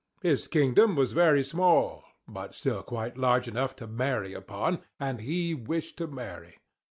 His kingdom was very small, but still quite large enough to marry upon; and he wished to marry.